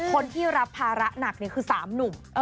คนที่รับภาระหนักคือ๓หนุ่ม